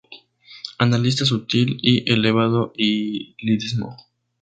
Analista sutil y elevado lirismo.